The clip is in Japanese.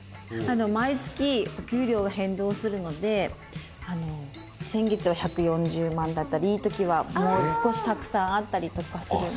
毎月お給料が変動するので先月は１４０万だったりいい時はもう少したくさんあったりとかする。